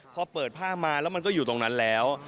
พอเปิดผ้ามาแล้วมันก็อยู่ตรงนั้นแล้ว